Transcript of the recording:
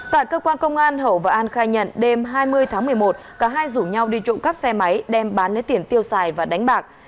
tại cơ quan công an hậu và an khai nhận đêm hai mươi tháng một mươi một cả hai rủ nhau đi trộm cắp xe máy đem bán lấy tiền tiêu xài và đánh bạc